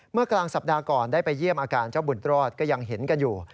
เมื่อกลางสัปดาห์ก่อนได้ไปเยี่ยมอาการเจ้าบุญรอดก็ยังเห็นกันอยู่